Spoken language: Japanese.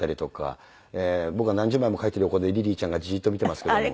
僕が何十枚も書いている横でリリーちゃんがジーッと見ていますけども。